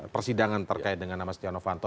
persidangan terkait dengan nama setia noh fanto